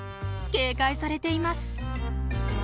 警戒されています。